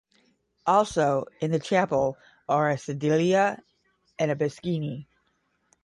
Also in the chapel are a sedilia and a piscina.